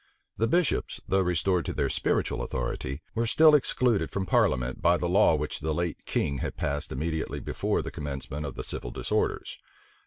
The bishops, though restored to their spiritual authority, were still excluded from parliament, by the law which the late king had passed immediately before the commencement of the civil disorders.